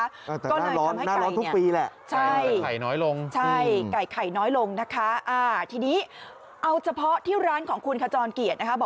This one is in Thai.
อ้าวแต่น่าร้อนทุกปีแหละไข่น้อยลงค่ะอ่าทีนี้เอาเฉพาะที่ร้านของคุณขจรเกียดนะครับ